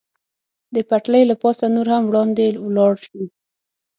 که د پټلۍ له پاسه نور هم وړاندې ولاړ شو.